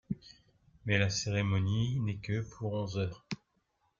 Mais la cérémonie n’est que pour onze heures.